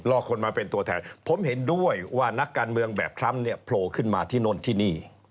คนมาเป็นตัวแทนผมเห็นด้วยว่านักการเมืองแบบทรัมป์เนี่ยโผล่ขึ้นมาที่โน่นที่นี่